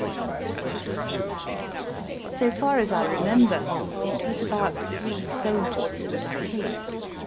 r^ the right size. So far as I remember, it was about three soldiers and a pig.